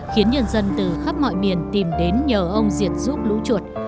khiến nhân dân từ khắp mọi miền tìm đến nhờ ông diệt giúp lũ chuột